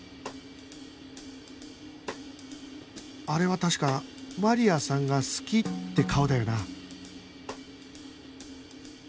あれは確か「マリアさんが好き」って顔だよな？